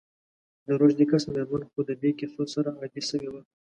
د روږدې کس میرمن خو د دي کیسو سره عادي سوي وه.